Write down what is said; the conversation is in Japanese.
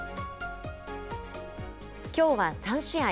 きょうは３試合。